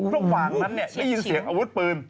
ระหว่างนั้นได้ยินเสียงอาวุธปืน